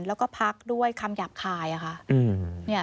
แล้วก็พักด้วยคำหยาบคายค่ะ